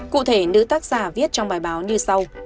cụ thể nữ tác giả viết trong bài báo như sau